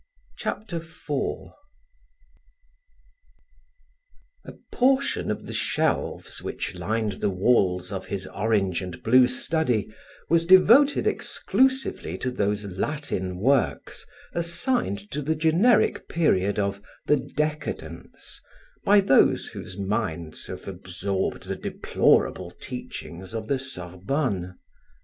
Chapter 4 A portion of the shelves which lined the walls of his orange and blue study was devoted exclusively to those Latin works assigned to the generic period of "The Decadence" by those whose minds have absorbed the deplorable teachings of the Sorbonne.